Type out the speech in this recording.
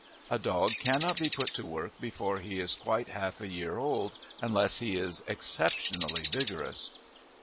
A dog cannot be put to work before he is quite half a year old unless he is exceptionally vigorous.